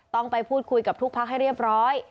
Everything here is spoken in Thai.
ต้องไปพูดคุยกับทุกพักให้เรียบร้อย